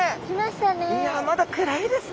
いやまだ暗いですね。